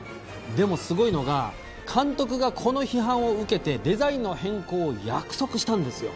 でも、すごいのが監督がこの批判を受けてデザインの変更を約束したんですよ。